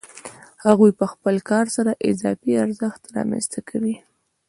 هغوی په خپل کار سره اضافي ارزښت رامنځته کوي